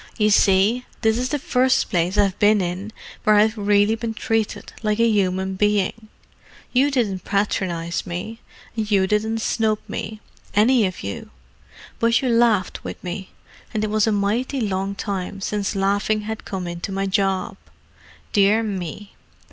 "You see, this is the first place I've been in where I've really been treated like a human being. You didn't patronize me, and you didn't snub me—any of you. But you laughed with me; and it was a mighty long time since laughing had come into my job. Dear me!"